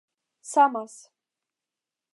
samas